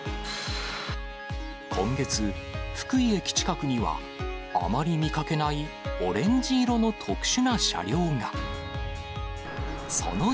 今月、福井駅近くには、あまり見かけない、オレンジ色の特殊な車両が。